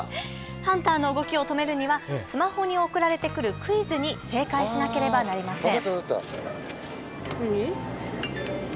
ハンターの動きを止めるにはスマホに送られてくるクイズに正解しなければなりません。